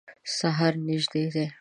سهار نیژدي دی